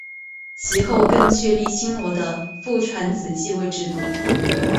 其后更确立新罗的父传子继位制度。